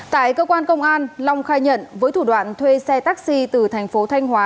tại cơ quan công an long khai nhận với thủ đoạn thuê xe taxi từ thành phố thanh hóa